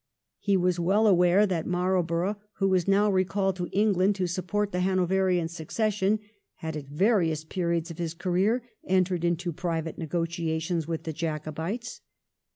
He was well aware that Marlborough, who was now recalled to England to support the Hanoverian succession, had at various periods of his career entered into private negotiations with the Jacobites.